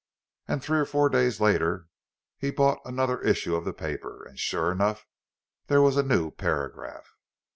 And three or four days later he bought another issue of the paper, and sure enough, there was a new paragraph!